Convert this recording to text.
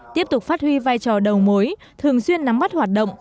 tiếp tục phát huy vai trò đầu mối thường xuyên nắm bắt hoạt động